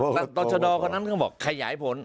ตัวชะดอก่อนนั้นก็บอกขยายผล